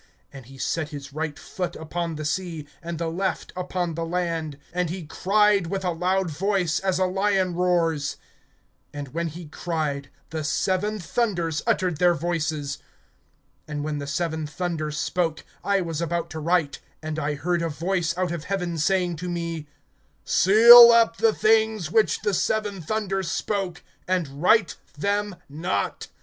And he set his right foot upon the sea, and the left upon the land; (3)and he cried with a loud voice, as a lion roars; and when he cried, the seven thunders uttered their voices. (4)And when the seven thunders spoke, I was about to write; and I heard a voice out of heaven saying to me: Seal up the things which the seven thunders spoke, and write them not.